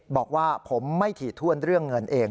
บอกว่าผมไม่ถี่ถ้วนเรื่องเงินเอง